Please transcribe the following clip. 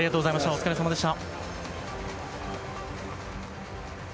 お疲れさまでした。